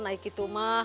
nah gitu mah